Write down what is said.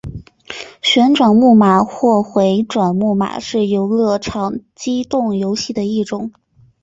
旋转木马或回转木马是游乐场机动游戏的一种。